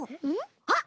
あっ！